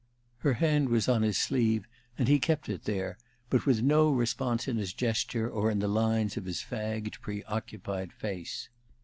Her hand was on his sleeve, and he kept it there, but with no response in his gesture or in the lines of his fagged, preoccupied face.